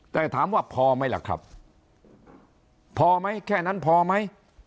แต่ถามว่าพอไหมล่ะครับพอไหมแค่นั้นพอไหม